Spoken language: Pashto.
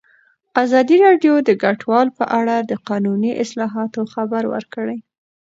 ازادي راډیو د کډوال په اړه د قانوني اصلاحاتو خبر ورکړی.